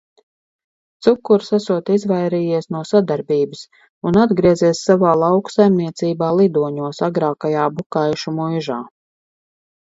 "Cukurs esot izvairījies no sadarbības un atgriezies savā lauku saimniecībā "Lidoņos" agrākajā Bukaišu muižā."